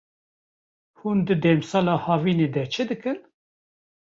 Hûn di demsala havinê de çi dikin?